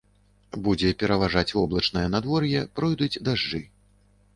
Будзе пераважаць воблачнае надвор'е, пройдуць дажджы.